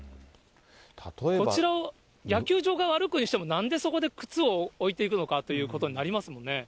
こちら、野球場側を歩くにしても、なんでそこで靴を置いていくのかということになりますもんね。